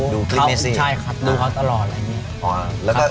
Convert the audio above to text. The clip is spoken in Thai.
ดูคลิปสิใช่ครับดูเขาตลอดอะไรอย่างนี้